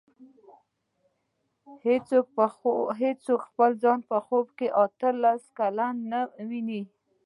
هېڅوک خپل ځان په خوب کې اته لس کلن نه ویني.